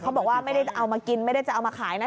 บอกว่าไม่ได้เอามากินไม่ได้จะเอามาขายนะ